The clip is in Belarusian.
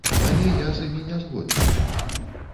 Але я з імі не згодны.